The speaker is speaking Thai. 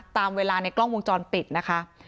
ตามเวลาในกล้องวงจรปิดนะคะ